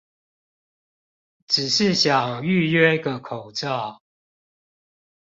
只是想預約個口罩